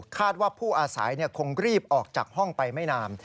ว่าผู้อาศัยคงรีบออกจากห้องไปไม่นาน